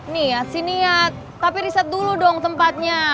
niat sih niat tapi riset dulu dong tempatnya